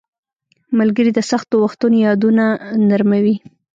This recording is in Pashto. • ملګري د سختو وختونو یادونه نرموي.